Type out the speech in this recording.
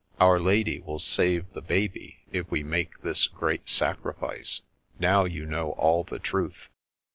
Our Lady will save the baby if we make this great sacrifice. Now you know all the truth."